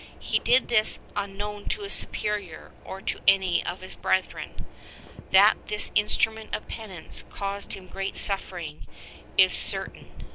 He did this unknown to his Superior or to any of his brethren. That this instrument of penance caused him great suffering is cer tain.